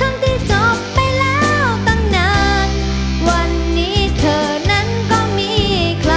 ทั้งที่จบไปแล้วตั้งนานวันนี้เธอนั้นก็มีใคร